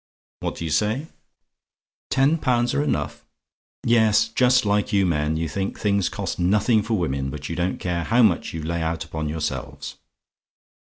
"What do you say? "TEN POUNDS ARE ENOUGH? "Yes, just like you men; you think things cost nothing for women; but you don't care how much you lay out upon yourselves.